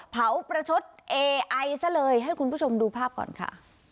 ประชดเอไอซะเลยให้คุณผู้ชมดูภาพก่อนค่ะ